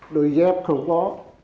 đôi dép không có